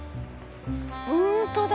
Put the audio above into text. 本当だ！